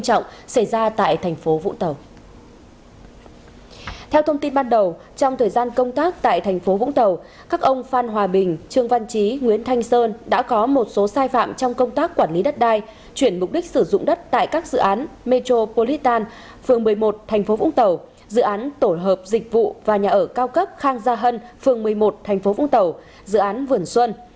trong thời gian công tác tại tp vũng tàu các ông phan hòa bình trương văn chí nguyễn thanh sơn đã có một số sai phạm trong công tác quản lý đất đai chuyển mục đích sử dụng đất tại các dự án metropolitan phường một mươi một tp vũng tàu dự án tổ hợp dịch vụ và nhà ở cao cấp khang gia hân phường một mươi một tp vũng tàu dự án vườn xuân